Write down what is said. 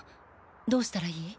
どうしたらいい？